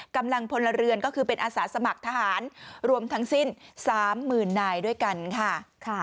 กำลังพลเรือนก็คือเป็นอาสาสมัครทหารรวมทั้งสิ้น๓๐๐๐นายด้วยกันค่ะ